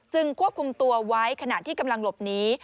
ควบคุมตัวไว้ขณะที่กำลังหลบหนี